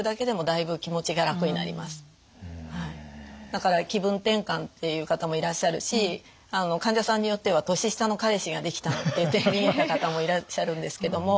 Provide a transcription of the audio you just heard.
だから「気分転換」って言う方もいらっしゃるし患者さんによっては「年下の彼氏ができた」って言って逃げた方もいらっしゃるんですけども。